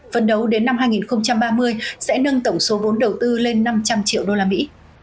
phần đấu đến năm hai nghìn ba mươi sẽ nâng tổng số vốn đầu tư lên năm trăm linh triệu đô la mỹ